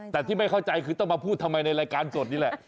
แต่ที่ไม่เข้าใจคือต้องมาพูดทำไมในรายการสดนี่แหละ